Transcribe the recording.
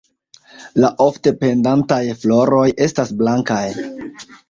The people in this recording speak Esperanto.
La ofte pendantaj floroj estas blankaj.